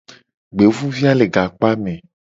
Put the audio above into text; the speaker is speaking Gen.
Gbevuvia le gakpame.